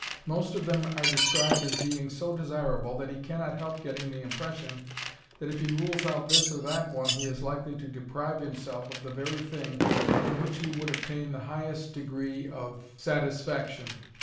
Most of them are described as being so desirable that he cannot help getting the impression that if he rules out this or that one he is likely to deprive himself of the very thing from which he would obtain the highest degree of satisfaction.